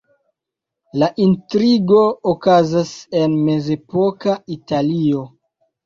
La intrigo okazas en mezepoka Italio.